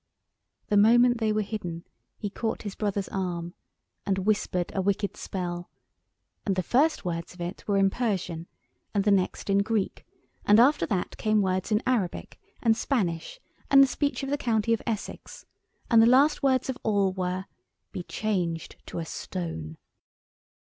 The moment they were hidden he caught his brother's arm and whispered a wicked spell: and the first words of it were in Persian, and the next in Greek, and after that came words in Arabic and Spanish, and the speech of the county of Essex, and the last words of all were "be changed to a stone."